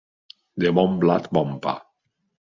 De bon blat, bon pa.